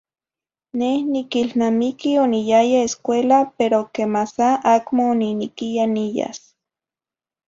Neh niquihlnamiqui oniyaya escuela pero quemasá acmo oniniquiya niyas